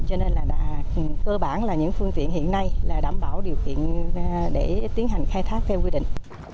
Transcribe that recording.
cho nên là cơ bản là những phương tiện hiện nay là đảm bảo điều kiện để tiến hành khai thác theo quy định